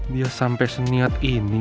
dia sampai seniat ini